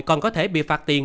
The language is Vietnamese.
còn có thể bị phạt tiền